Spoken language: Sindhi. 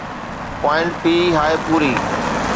پوائنٽ پي هاءِ پوري